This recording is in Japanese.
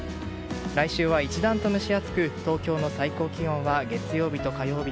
来週は一段と蒸し暑く東京の最高気温は月曜日と火曜日